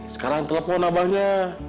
sekarang telepon abahnya